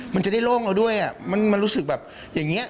มันจะได้โล่งเราด้วยมันรู้สึกแบบอย่างนี้